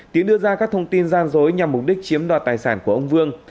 tiến đưa ra các thông tin gian dối nhằm mục đích chiếm đoạt tài sản của ông vương